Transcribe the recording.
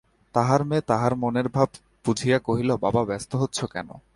তাঁহার মেয়ে তাঁহার মনের ভাব বুঝিয়া কহিল, বাবা, ব্যস্ত হচ্ছ কেন?